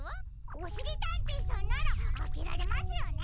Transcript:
おしりたんていさんならあけられますよね！